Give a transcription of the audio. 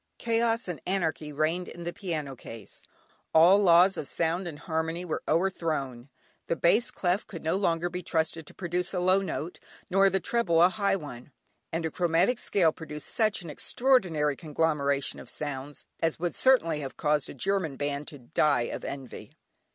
Chaos and anarchy reigned in the piano case, all laws of sound and harmony were o'erthrown, the bass clef could no longer be trusted to produce a low note, nor the treble a high one, and a chromatic scale produced such an extraordinary conglomeration of sounds, as would certainly have caused a German band to die of envy.